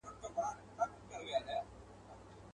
له یخنیه دي بې واکه دي لاسونه!.